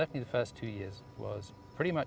adalah sekurang kurangnya pendidikan